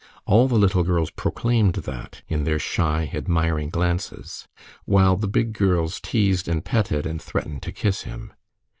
All the little girls proclaimed that in their shy, admiring glances, while the big girls teased and petted and threatened to kiss him.